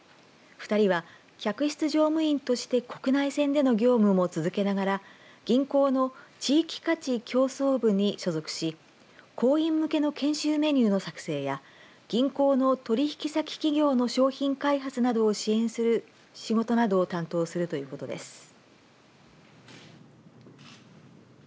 ２人は、客室乗務員として国内線での業務も続けながら銀行の地域価値共創部に所属し行員向けの研修メニューの作成や銀行の取引先企業の商品開発などを支援する仕事などを担当するということです。